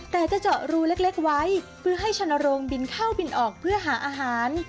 แต่จะเจาะรูเล็กไว้เพื่อให้ชนโรงบินเข้าบินออกเพื่อหาอาหาร